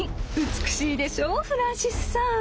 美しいでしょうフランシスさん。